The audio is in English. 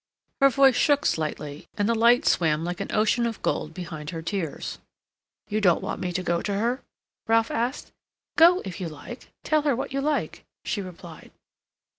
Her voice shook slightly, and the light swam like an ocean of gold behind her tears. "You don't want me to go to her?" Ralph asked. "Go, if you like; tell her what you like," she replied.